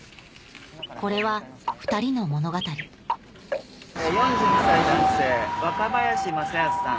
これはふたりの物語４２歳男性若林正恭さん。